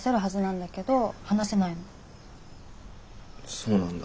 そうなんだ。